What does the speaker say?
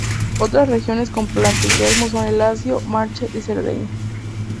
Otras regiones con plantaciones son el Lacio, Marche y Cerdeña.